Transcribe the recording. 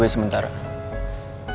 tidak kena napas